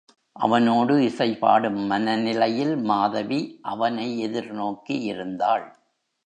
அவனோடு இசை பாடும் மனநிலையில் மாதவி அவனை எதிர் நோக்கி இருந்தாள்.